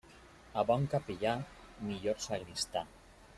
A bon capellà, millor sagristà.